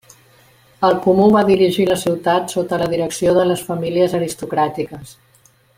El comú va dirigir la ciutat sota la direcció de les famílies aristocràtiques.